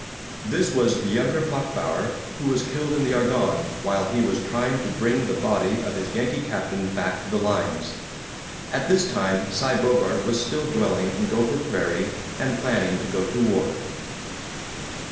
... This was the younger Pochbauer, who was killed in the Argonne, while he was trying to bring the body of his Yankee captain back to the lines. At this time Cy Bogart was still dwelling in Gopher Prairie and planning to go to war.